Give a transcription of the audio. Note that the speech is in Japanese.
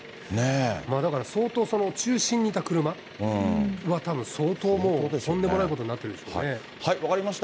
だから、相当中心にいた車はたぶん、相当もう、とんでもないことになって分かりました。